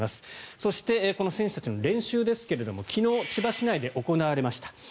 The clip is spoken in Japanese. そして、選手たちの練習ですけど昨日、千葉市内で行われました。